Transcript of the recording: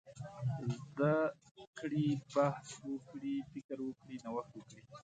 زده کړي، بحث وکړي، فکر وکړي، نوښت وکړي.